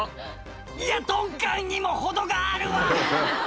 いや鈍感にも程があるわ！